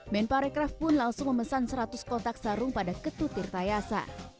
men parekraf pun langsung memesan seratus kotak sarung pada ketutir tayasa